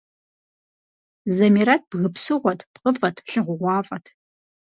Замирэт бгы псыгъуэт, пкъыфӏэт, лагъугъуафӏэт.